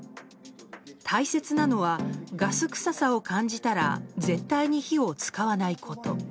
大切なのはガス臭さを感じたら絶対に火を使わないこと。